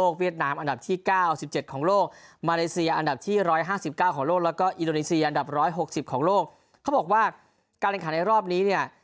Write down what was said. ของโลกเขาบอกว่าการแรงขาในรอบนี้เนี่ย